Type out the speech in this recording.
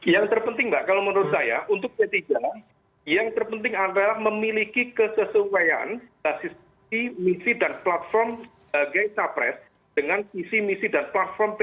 yang terpenting mbak kalau menurut saya untuk p tiga yang terpenting adalah memiliki kesesuaian basis misi dan platform sebagai capres dengan visi misi dan platform p tiga